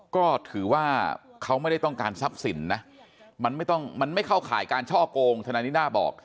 ก็ถือว่าเขาไม่ได้ต้องการทรัพย์สินนะมันไม่ต้องมันไม่เข้าข่ายการช่อโกงธนายนิด้าบอก